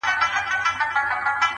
کمی نه وو د طلا د جواهرو.!